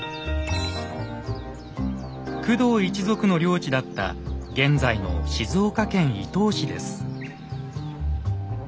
工藤一族の領地だった現在の静岡県伊東市です。